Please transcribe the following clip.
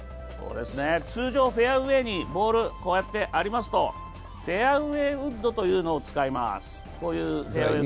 通常、フェアウエーにボールがありますとフェアウエーウッドというのを使います。